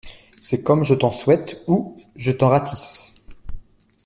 C’est comme "Je t’en souhaite"… ou "Je t’en ratisse"…